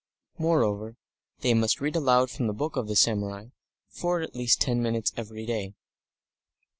Moreover, they must read aloud from the Book of the Samurai for at least ten minutes every day.